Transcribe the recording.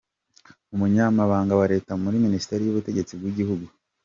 Umunyamabanga wa Leta muri Minisiteri y’Ubutegetsi bw’igihugu,